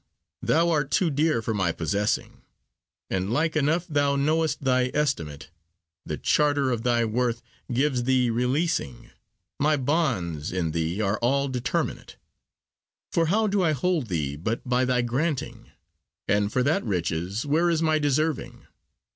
thou art too dear for my possessing, And like enough thou know'st thy estimate: The charter of thy worth gives thee releasing; My bonds in thee are all determinate. For how do I hold thee but by thy granting? And for that riches where is my deserving?